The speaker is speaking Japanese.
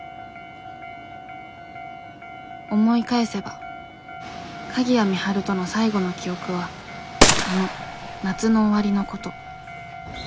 思い返せば鍵谷美晴との最後の記憶はあの夏の終わりのこと。